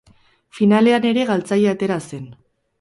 Finalean ere galtzaile atera zen.